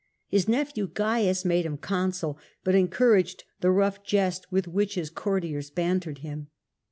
His nephew Caius made him consul, but encour aged the rough jests with which his courtiers bantered him.